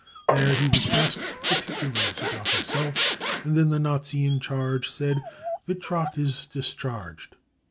1 here he was asked particulars about himself, and then the Nazi in charge said :' Wittrock is discharged.